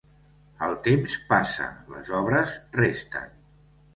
El temps passa, les obres resten.